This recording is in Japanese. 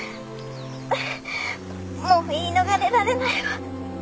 もう言い逃れられないわ。